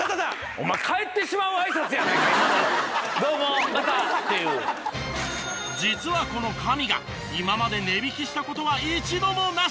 お前実はこのＫＡＭＩＧＡ今まで値引きした事は一度もなし！